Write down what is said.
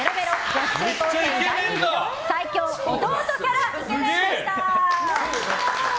女子中高生に大人気の最強弟キャライケメンでした。